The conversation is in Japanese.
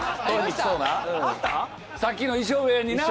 さっきの衣装部屋にな。